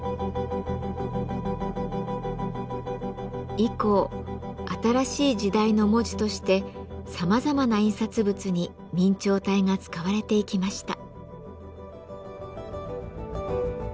以降新しい時代の文字としてさまざまな印刷物に明朝体が使われていきました。